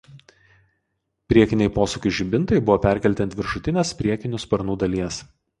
Priekiniai posūkių žibintai buvo perkelti ant viršutinės priekinių sparnų dalies.